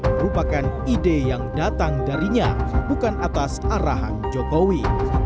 merupakan ide yang datang darinya bukan atas arahan jokowi